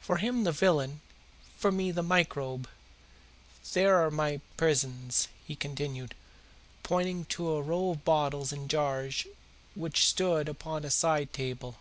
For him the villain, for me the microbe. There are my prisons," he continued, pointing to a row of bottles and jars which stood upon a side table.